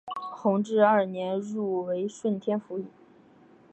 弘治二年入为顺天府尹。